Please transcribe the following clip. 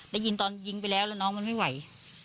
ได้ยินตอนยิงไปแล้วแล้วน้องมันไม่ไหว